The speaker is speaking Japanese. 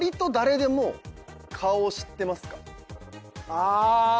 ああ。